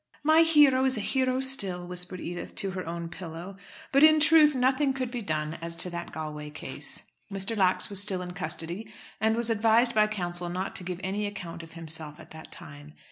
"My hero is a hero still," whispered Edith to her own pillow. But, in truth, nothing could be done as to that Galway case. Mr. Lax was still in custody, and was advised by counsel not to give any account of himself at that time.